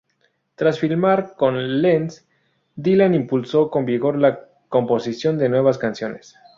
Tras firmar con Leeds, Dylan impulsó con vigor la composición de nuevas canciones.